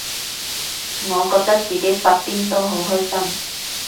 我覺得自己發癲都好開心